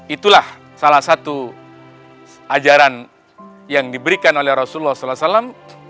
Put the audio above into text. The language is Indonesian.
itulah salah satu ajaran yang diberikan oleh rasulullah saw